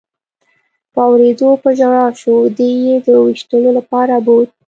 په اورېدو په ژړا شو، دی یې د وېشتلو لپاره بوت.